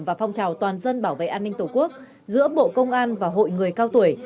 và phong trào toàn dân bảo vệ an ninh tổ quốc giữa bộ công an và hội người cao tuổi